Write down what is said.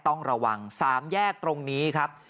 ต้องระวัง๓แยกตรงนี้ครับ